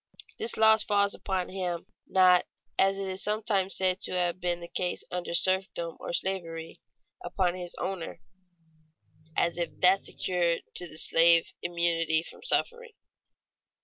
This loss falls upon him, not, as is sometimes said to have been the case under serfdom or slavery, upon his owner (as if that secured to the slave immunity from suffering).